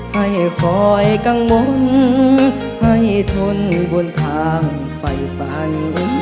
ให้คอยกังวลให้ทนบนทางไฟฝัน